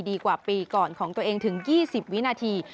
ดีกว่าปีก่อนของตัวเองถึง๒๐วินาที